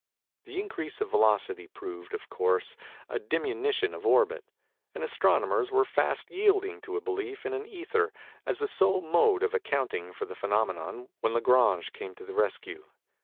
The increase of velocity proved, of course, a diminution of orbit; and astronomers were fast yielding to a belief in an ether, as the sole mode of accounting for the phænomenon, when Lagrange came to the rescue.